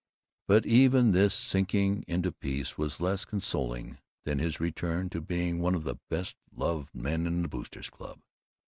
But even this sinking into peace was less consoling than his return to being one of the best loved men in the Boosters' Club.